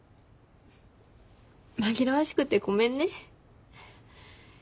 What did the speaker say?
紛らわしくてごめんね。